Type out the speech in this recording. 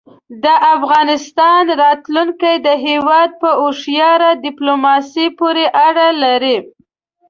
د افغانستان راتلونکی د هېواد په هوښیاره دیپلوماسۍ پورې اړه لري.